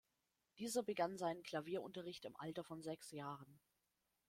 Dieser begann seinen Klavierunterricht im Alter von sechs Jahren.